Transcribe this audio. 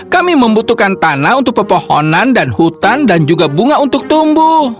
kami membutuhkan tanah untuk pepohonan dan hutan dan juga bunga untuk tumbuh